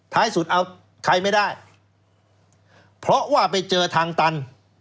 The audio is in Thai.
สุดเอาใครไม่ได้เพราะว่าไปเจอทางตัน